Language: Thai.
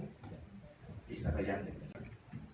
อีกษัตริย์อันหนึ่งนะครับ